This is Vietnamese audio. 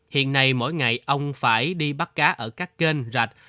hiện nay mỗi ngày ông phải đi bắt cá ở các kênh rạch